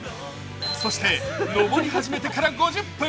そして上り始めてから５０分。